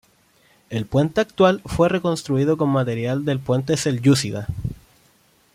El puente actual fue reconstruido con material del puente selyúcida.